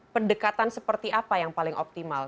pendekatan seperti apa yang paling optimal